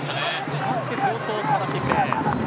代わって早々素晴らしいプレー。